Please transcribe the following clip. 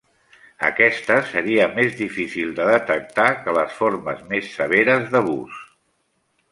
Aquesta seria més difícil de detectar que les formes més severes d’abús.